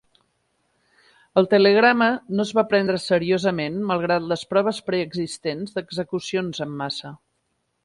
El telegrama no es va prendre seriosament malgrat les proves preexistents d'execucions en massa.